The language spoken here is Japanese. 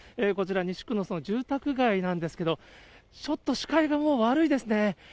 こちら西区のその住宅街なんですけれども、ちょっと視界がもう悪いですね。